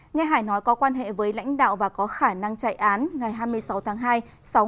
nghe hải nói có quan hệ với lãnh đạo và có khả năng chạy án ngày hai mươi sáu tháng hai